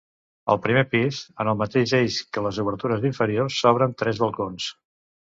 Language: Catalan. Al primer pis, en el mateix eix que les obertures inferiors, s'obren tres balcons.